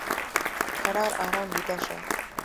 کرار ارام ویده شه !